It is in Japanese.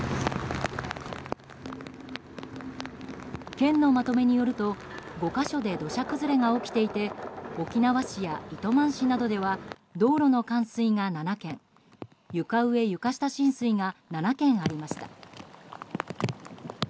県のまとめによると５か所で土砂崩れが起きていて沖縄市や糸満市などでは道路の冠水が７件床上・床下浸水が７件ありました。